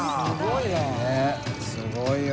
すごいな。